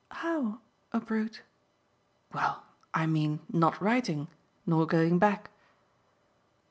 "How a brute?" "Well, I mean not writing nor going back."